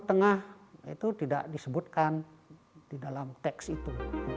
di tengah itu tidak disebutkan di dalam teks itu